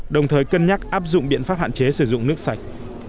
đồng thời cân nhắc áp dụng biện pháp hạn chế sử dụng nước sạch